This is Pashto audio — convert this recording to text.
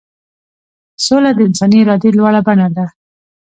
سوله د انساني ارادې لوړه بڼه ده.